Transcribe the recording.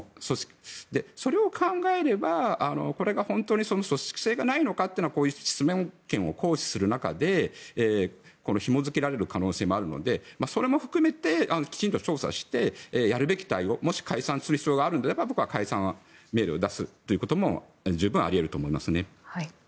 それを考えれば、これが本当に組織性がないのかというのは質問権を行使する中でひも付けられる可能性もあるのでそれも含めてきちんと調査してやるべき対応もし解散する必要があるのであれば僕は解散命令を出すことも十分あり得ると思いますね。